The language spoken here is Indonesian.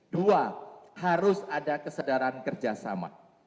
dua harus ada kesadaran kerjasama